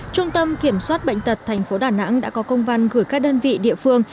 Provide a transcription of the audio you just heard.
trung tâm kiểm soát bệnh tật tp đà nẵng đã có công văn gửi các đơn vị địa phương